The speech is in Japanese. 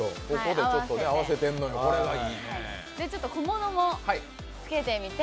で、小物もつけてみて。